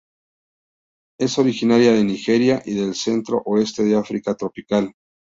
Es originaria de Nigeria y del centro-oeste de África tropical.